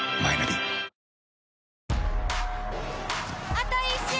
あと１周！